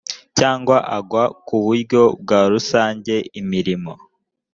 cyangwa agawa ku buryo bwa rusange imirimo